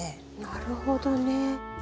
なるほどね。